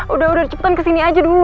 udah udah cepetan kesini aja dulu